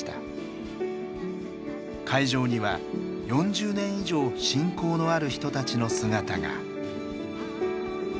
会場には４０年以上親交のある人たちの姿が。